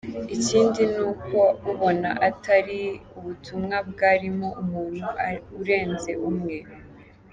Ikindi ni uko ubona atari ubutumwa bwarimo umuntu urenze umwe.